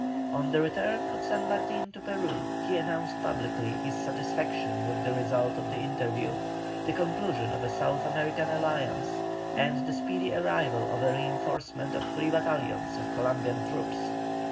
On the return of San Martin to Peru, he announced publicly his satisfaction with the result of the interview, the conclusion of a South American alliance, and the speedy arrival of a reinforcement of three battalions of Columbian troops.